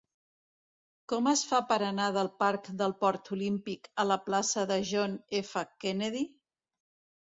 Com es fa per anar del parc del Port Olímpic a la plaça de John F. Kennedy?